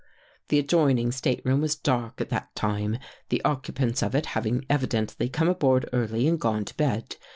" The adjoining stateroom was dark at that time, the occupants of it having evidently come aboard early and gone to bed.